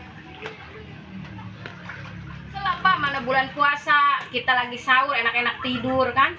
selapa mana bulan puasa kita lagi sahur enak enak tidur